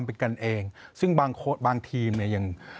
เลี้ยงทั้งสนามเลย